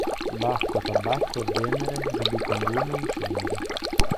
Bacco, Tabacco e Venere, riducon l'uomo in cenere.